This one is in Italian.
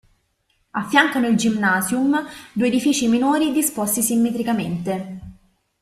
Affiancano il Gymnasium due edifici minori disposti simmetricamente.